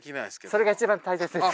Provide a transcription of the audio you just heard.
それが一番大切です。